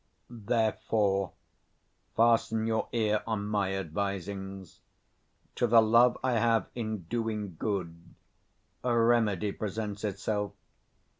Therefore fasten your ear on my advisings: to 190 the love I have in doing good a remedy presents itself.